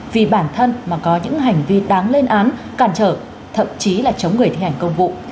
vì bản thân mà có những hành vi đáng lên án cản trở thậm chí là chống người thi hành công vụ